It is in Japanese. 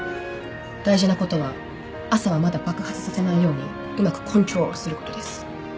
大事なことは朝はまだ爆発させないようにうまくコントロールすることです